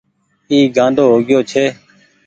اي گآنڊو هو گيو ڇي ۔